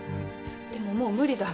でももう無理だ。